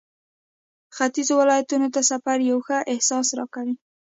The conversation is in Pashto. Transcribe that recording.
ختيځو ولایتونو ته سفر یو ښه احساس راکوي.